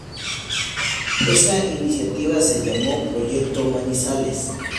Esa iniciativa se llamó 'Proyecto Manizales'.